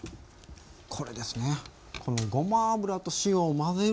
これですね。